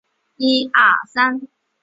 像在黑暗中看见一线光芒